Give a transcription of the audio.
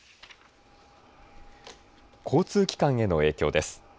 交通機関への影響です。